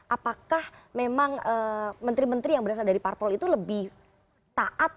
apakah memang menteri menteri yang berasal dari parpol itu lebih taat